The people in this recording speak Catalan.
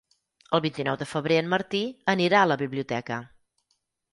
El vint-i-nou de febrer en Martí anirà a la biblioteca.